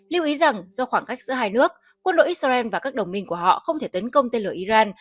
lưu ý rằng do khoảng cách giữa hai nước quân đội israel và các đồng minh của họ không thể tấn công tên lửa iran